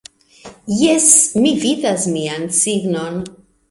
Jes, mi vidas mian signon